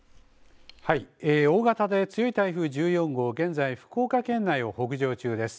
大型で強い台風１４号現在、福岡県内を北上中です。